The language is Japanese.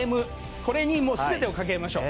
これに全てをかけましょう。